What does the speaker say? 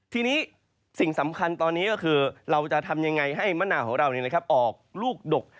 ทีนี้สิ่งสำคัญตอนนี้ก็คือเราจะทำยังไงให้มะนาวของเราออกลูกดก